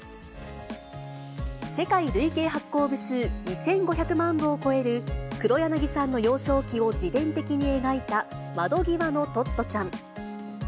世界累計発行部数２５００万部を超える、黒柳さんの幼少期を自伝的に描いた窓ぎわのトットちゃん。